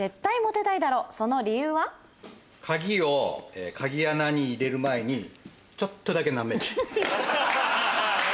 鍵を鍵穴に入れる前にちょっとだけなめる。